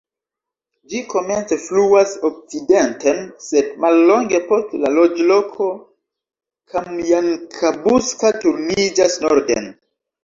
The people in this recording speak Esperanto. Ĝi komence fluas okcidenten, sed mallonge post la loĝloko Kamjanka-Buska turniĝas norden.